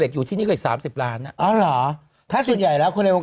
อึกอึกอึกอึกอึกอึกอึก